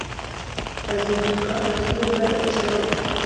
azinduka azinga ikirago